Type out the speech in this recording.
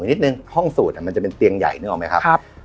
นิดนึงห้องสูตรมันจะเป็นเตียงใหญ่นึกออกไหมครับ